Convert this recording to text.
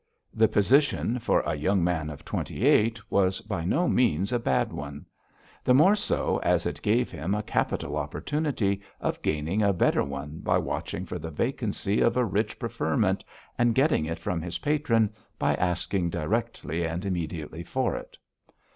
The position, for a young man of twenty eight, was by no means a bad one; the more so as it gave him a capital opportunity of gaining a better one by watching for the vacancy of a rich preferment and getting it from his patron by asking directly and immediately for it.